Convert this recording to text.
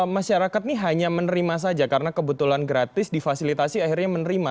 masyarakat ini hanya menerima saja karena kebetulan gratis difasilitasi akhirnya menerima